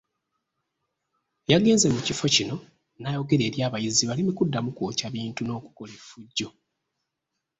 Yagenze mu kifo kino n’ayogera eri abayizi baleme kuddamu kwokya bintu n’okukola effujjo.